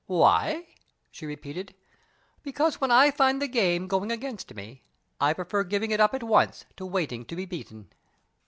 "Why?" she repeated. "Because when I find the game going against me, I prefer giving it up at once to waiting to be beaten."